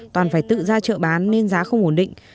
toàn phải tự ra chợ bán nên giá không ổn định